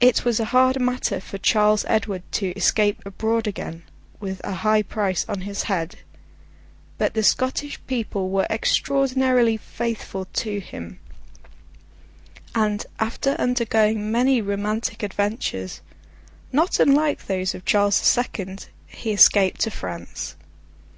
It was a hard matter for Charles Edward to escape abroad again, with a high price on his head; but the Scottish people were extraordinarily faithful to him, and, after undergoing many romantic adventures, not unlike those of Charles the Second, he escaped to France.